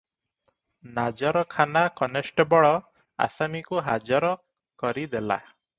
ନାଜରଖାନା constable ଆସାମୀକୁ ହାଜର କରିଦେଲା ।